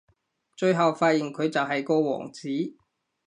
最後發現佢就係個王子